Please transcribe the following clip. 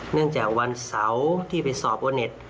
เนื่องจากวันเสาร์ที่ไปสอบโอเน็ต